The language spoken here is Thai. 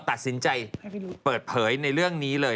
ตัดสินใจเปิดเผยในเรื่องนี้เลย